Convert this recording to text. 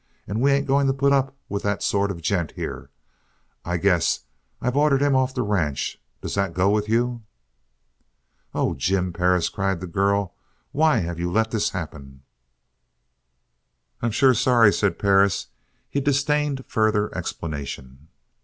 And we ain't going to put up with that sort of a gent here, I guess! I've ordered him off the ranch. Does that go with you?" "Oh, Jim Perris," cried the girl. "Why have you let this happen!" "I'm sure sorry," said Perris. He disdained further explanation.